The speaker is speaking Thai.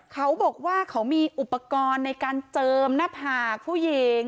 เขาบอกว่าเขามีอุปกรณ์ในการเจิมหน้าผากผู้หญิง